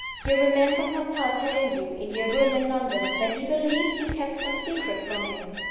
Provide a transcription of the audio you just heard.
You remember papa telling you, in your room in London, that he believed you kept some secret from him.